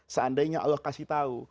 seandainya allah kasih tahu